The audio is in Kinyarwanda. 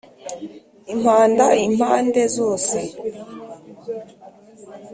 Impanda impande zose